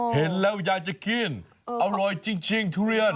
เห็นแล้วอยากจะกินอร่อยจริงทุเรียน